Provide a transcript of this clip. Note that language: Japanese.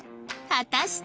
果たして